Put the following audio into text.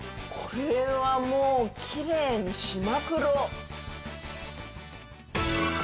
これはもうキレイにしまくろう。